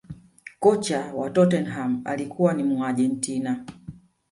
kocha wa tottenham alikuwa ni muargentina